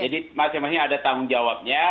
jadi masing masing ada tanggung jawabnya